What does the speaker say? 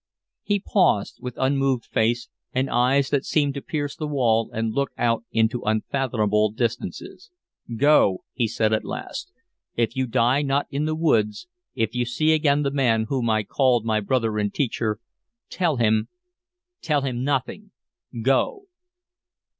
He paused, with unmoved face, and eyes that seemed to pierce the wall and look out into unfathomable distances. "Go!" he said at last. "If you die not in the woods, if you see again the man whom I called my brother and teacher, tell him. .. tell him nothing! Go!"